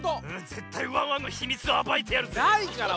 ぜったいワンワンのひみつをあばいてやるぜ！ないから！